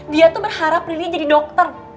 dia tuh berharap dirinya jadi dokter